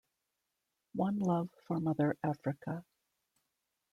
One Love for Mother Africa.